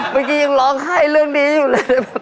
เมื่อกี้ยังร้องไห้เรื่องนี้อยู่เลย